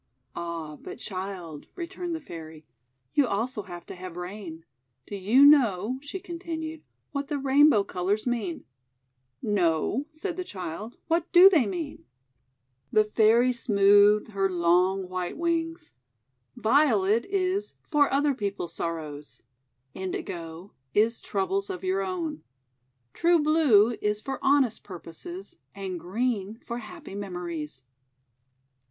"Ah, but, Child," returned the Fairy, "you also have to have rain. — Do you know," she con tinued, "what the Rainbow colours mean?' "No," said the Child. "What do they mean?" 258 THE WONDER GARDEN The Fairy smoothed her long white wings. * Violet is For Other People's Sorrows. Indigo is Troubles of Your Own. True Blue is for Honest Purposes, and Green for Happy Memo ries.'